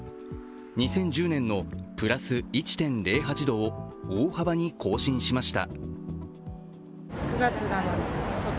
２０１０年のプラス１．０８度を大幅に更新しました。